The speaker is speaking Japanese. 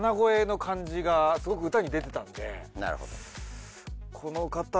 なるほど。